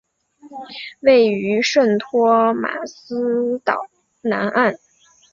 位于圣托马斯岛南岸。